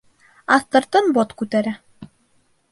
Аҫтыртын бот күтәрә.